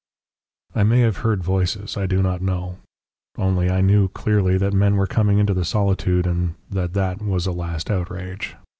"I may have heard voices. I do not know. Only I knew clearly that men were coming into the solitude and that that was a last outrage.